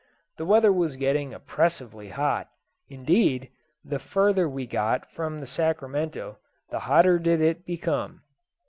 The weather was getting oppressively hot; indeed, the further we got from the Sacramento the hotter did it become.